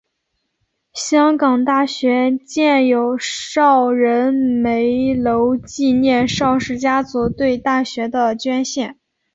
香港大学建有邵仁枚楼纪念邵氏家族对大学的捐献。